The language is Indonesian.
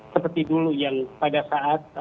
seperti dulu yang pada saat